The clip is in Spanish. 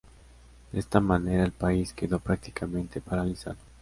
De esta manera, el país quedó prácticamente paralizado.